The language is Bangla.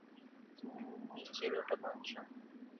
নিচের ওটা মঞ্চ?